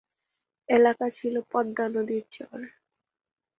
এলাকা ছিল পদ্মা নদীর চর।